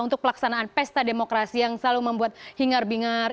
untuk pelaksanaan pesta demokrasi yang selalu membuat hingar bingar